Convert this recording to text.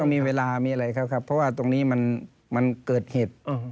มีเวลามีอะไรเขาครับเพราะว่าตรงนี้มันเกิดเหตุ